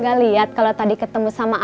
gak liat kalau tadi ketemu sama aku